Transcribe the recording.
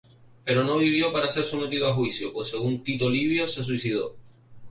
Pero no vivió para ser sometido a juicio, pues según Tito Livio, se suicidó.